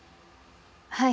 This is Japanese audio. はい。